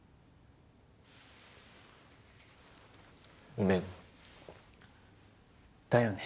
ごめんだよね